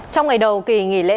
trong ngày đầu kỳ nghỉ lễ